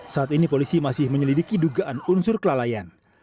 saat ini polisi masih menyelidiki dugaan unsur kelalaian